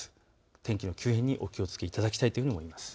天気の急変、お気をつけいただきたいと思います。